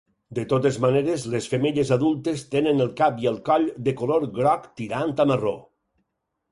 De totes maneres, les femelles adultes tenen el cap i el coll de color groc tirant a marró.